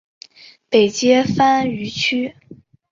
北接番禺区。